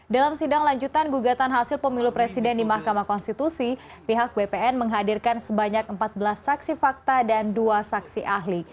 dalam sidang lanjutan gugatan hasil pemilu presiden di mahkamah konstitusi pihak bpn menghadirkan sebanyak empat belas saksi fakta dan dua saksi ahli